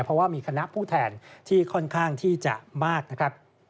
เพราะว่ามีคณะผู้แทนที่ค่อนข้างที่จะมากนะครับ